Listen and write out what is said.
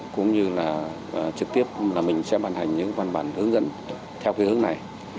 cũng như là trực tiếp là mình sẽ bàn hành những văn bản hướng dẫn theo cái hướng này